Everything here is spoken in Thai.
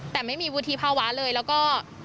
แต่ไม่มีวุฒิภาวะเลยแล้วก็